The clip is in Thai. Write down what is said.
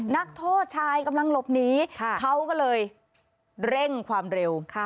นักโทษชายกำลังหลบหนีเขาก็เลยเร่งความเร็ว